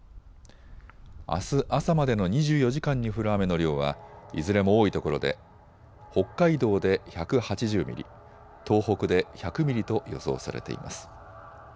あす朝までの２４時間に降る雨の量はいずれも多いところで北海道で１８０ミリ、東北で１００ミリと予想されています。